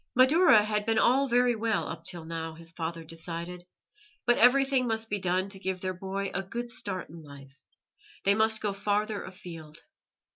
Madaura had been all very well up till now, his father decided, but everything must be done to give their boy a good start in life; they must go farther afield.